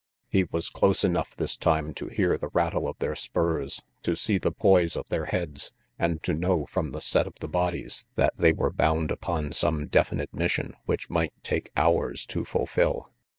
He was close enough this time to hear the rattle of their spurs, to see the poise of their heads, and to know from the set of the bodies that they were bound upon some definite mission which might take hours to fulfill.